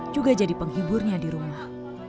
juga jadi penghiburnya di rumah